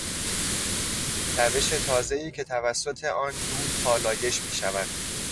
روش تازهای که توسط آن دود پالایش میشود.